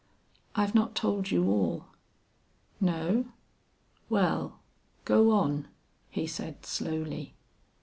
"I've not told you all." "No? Well, go on," he said, slowly.